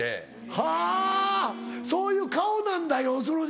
はぁそういう顔なんだ要するに。